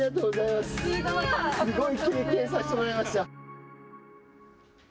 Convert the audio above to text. すごい経験させてもらいました。